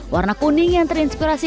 warna kuning yang terinspirasi